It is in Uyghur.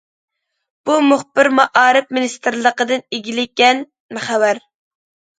بۇ، مۇخبىر مائارىپ مىنىستىرلىقىدىن ئىگىلىگەن خەۋەر.